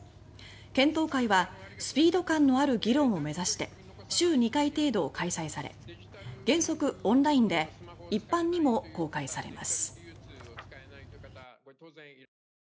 検討会は「スピード感のある議論」を目指して週２回程度、開催され原則オンラインで一般にも公開されます。